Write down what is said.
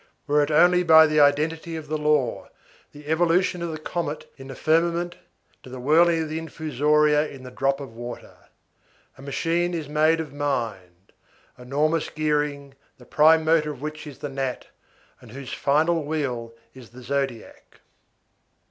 Were it only by the identity of the law, the evolution of the comet in the firmament to the whirling of the infusoria in the drop of water. A machine made of mind. Enormous gearing, the prime motor of which is the gnat, and whose final wheel is the zodiac.